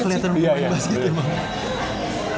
gak keliatan pemain basket ya emang